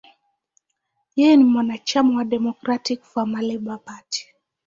Yeye ni mwanachama wa Democratic–Farmer–Labor Party.